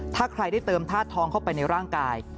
ถ้าใครได้เติมธาตุทองเข้าไปในร่างกาย